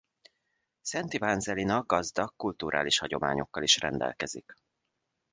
Szentivánzelina gazdag kulturális hagyományokkal is rendelkezik.